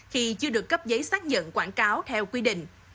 khi chưa được cấp giấy xác nhận quảng cáo theo quy định